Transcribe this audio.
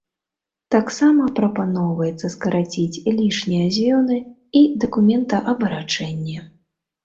Таксама прапаноўваецца скараціць лішнія звёны і дакументаабарачэнне.